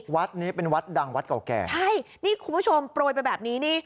วัดนี้เป็นวัดดังวัดเก่าแก่ใช่นี่คุณผู้ชมโปรยไปแบบนี้นี่